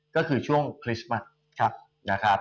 ก็คือช่วงคริสต์มัสนะครับ